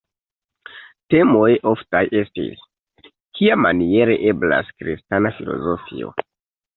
Temoj oftaj estis: kiamaniere eblas kristana filozofio?